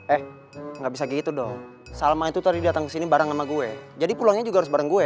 eh gak bisa kayak gitu do salma itu tadi datang kesini bareng ama gue jadi pulangnya juga harus bareng gue